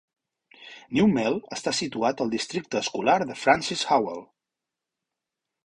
New Melle està situat al districte escolar de Francis Howell.